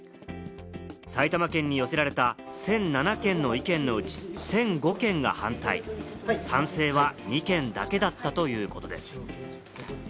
埼玉県に寄せられた１００７件の意見のうち、１００５件が反対、賛成は２件だけだったということです。